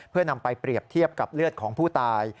เพื่อนำไปเปรียบเทียบกับเลือดของผู้ตาย